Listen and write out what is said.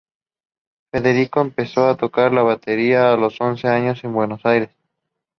Federico empezó a tocar la batería a los once años en Buenos Aires.